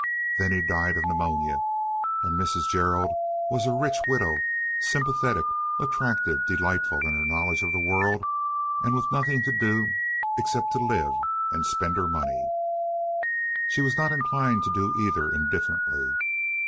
Then he died of pneumonia and Mrs. Gerald was a rich widow, sympathetic, attractive, delightful in her knowledge of the world, and with nothing to do except to live and to spend her money. She was not inclined to do either indifferently.